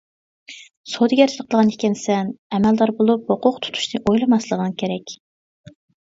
سودىگەرچىلىك قىلغان ئىكەنسەن، ئەمەلدار بولۇپ ھوقۇق تۇتۇشنى ئويلىماسلىقىڭ كېرەك.